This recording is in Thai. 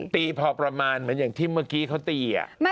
ตีพอประมาณเหมือนอย่างที่เมื่อกี้เขาตี